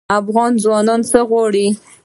افغان ځوانان څه غواړي؟